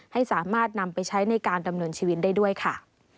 ให้สามารถนำไปใช้ในการดำเนินชีวิตได้ด้วยค่ะ